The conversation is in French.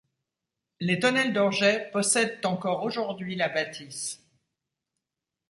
Les Thonel d'Orgeix possèdent encore aujourd'hui la bâtisse.